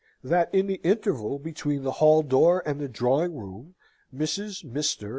that in the interval between the hall door and the drawing room, Mrs., Mr.